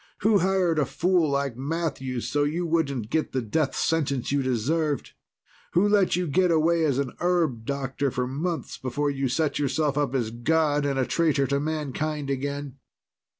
Who hired a fool like Matthews so you wouldn't get the death sentence you deserved? Who let you get away as an herb doctor for months before you set yourself up as God and a traitor to mankind again?"